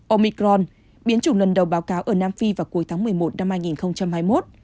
omicron biến chủng lần đầu báo cáo ở nam phi vào cuối tháng một mươi một năm hai nghìn hai mươi một